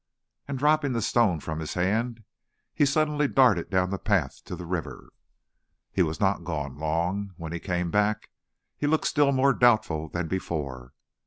And dropping the stone from his hand, he suddenly darted down the path to the river. He was not gone long. When he came back, he looked still more doubtful than before.